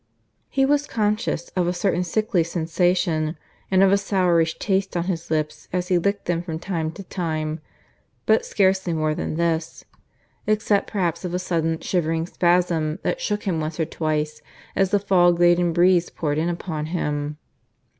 He was conscious of a certain sickly sensation, and of a sourish taste on his lips, as he licked them from time to time; but scarcely more than this, except perhaps of a sudden shivering spasm that shook him once or twice as the fog laden breeze poured in upon him.